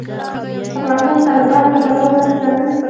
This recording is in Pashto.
افغانستان د تالابونو له پلوه ځانته ځانګړي صفتونه لري.